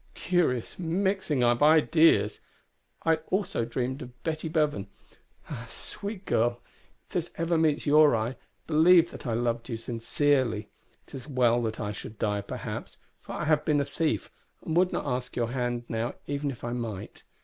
Curious mixing of ideas! I also dreamed of Betty Bevan. Ah, sweet girl! if this ever meets your eye, believe that I loved you sincerely. It is well that I should die, perhaps, for I have been a thief, and would not ask your hand now even if I might.